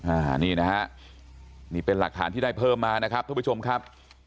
อ่านี่นะฮะนี่เป็นหลักฐานที่ได้เพิ่มมานะครับทุกผู้ชมครับ